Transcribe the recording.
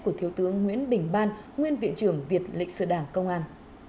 của thiếu tướng nguyễn bình ban nguyên viện trưởng viện lịch sử đảng công an